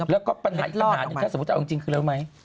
แล้วก็ปัญหาอีกปัญหาถ้าสมมุติเอาจริงคือแล้วไหม